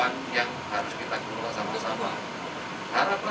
sama dengan perjalanan kembali